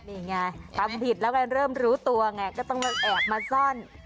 นี่ไงทำผิดแล้วก็เริ่มรู้ตัวไงก็ต้องมาแอบมาซ่อน